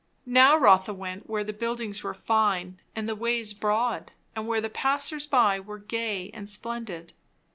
Now Rotha went where the buildings were fine and the ways broad, and where the passers by were gay and splendid.